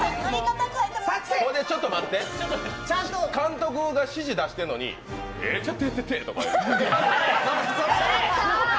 ちょっと待って、監督が指示出してるのに、「やっちゃってー」とか。